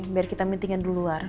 biar kita meetingan di luar